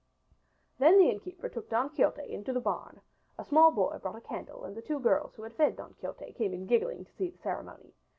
Then the innkeeper took Don Quixote into the barn, a small boy brought a candle and the two girls who had fed Don Quixote came in giggling to see the ceremony.